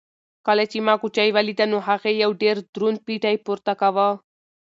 کله چې ما کوچۍ ولیده نو هغې یو ډېر دروند پېټی پورته کاوه.